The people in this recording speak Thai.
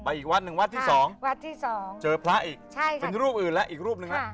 บ๊วยบรี้วัดที่สองอยากเจอพระอีกเป็นรูปอื่นและอีกรูปนึงค่ะ